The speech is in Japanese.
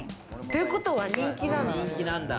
ということは人気なんだ。